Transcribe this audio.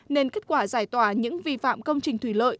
nên kết quả giải tỏa những vi phạm công trình thủy lợi